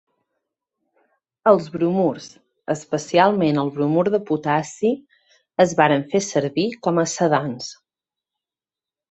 Els bromurs, especialment el bromur de potassi, es varen fer servir com a sedants.